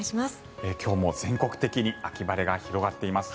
今日も全国的に秋晴れが広がっています。